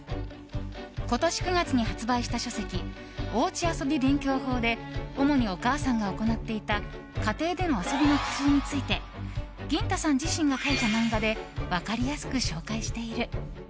今年９月に発売した書籍「おうち遊び勉強法」で主にお母さんが行っていた家庭での遊びの工夫についてぎん太さん自身が描いた漫画で分かりやすく紹介している。